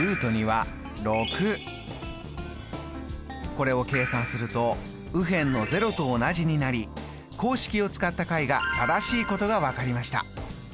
これを計算すると右辺の０と同じになり公式を使った解が正しいことが分かりました。